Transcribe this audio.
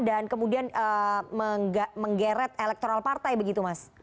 kemudian menggeret elektoral partai begitu mas